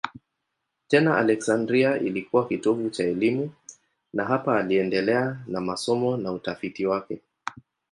Tena Aleksandria ilikuwa kitovu cha elimu na hapa aliendelea na masomo na utafiti wake.